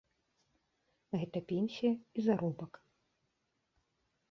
Гэта пенсія і заробак.